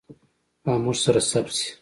او موږ سره ثبت شي.